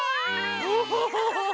ウフフフフ。